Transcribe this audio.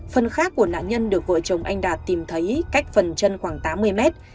phần khác của nạn nhân được vợ chồng anh đạt tìm thấy cách phần chân khoảng tám mươi mét